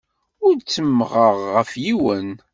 Ur ttemmɣeɣ ɣef yiwen.